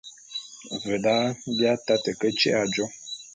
Ve da, bi ataté ke tyi'i ajô.